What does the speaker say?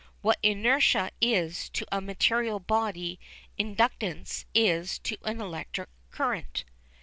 What inertia is to a material body inductance is to an electric current.